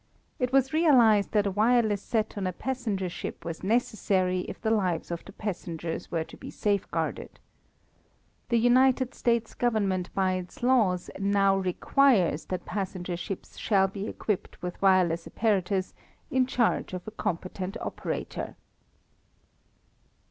It was realized that a wireless set on a passenger ship was necessary if the lives of the passengers were to be safeguarded. The United States Government by its laws now requires that passenger ships shall be equipped with wireless apparatus in charge of a competent operator.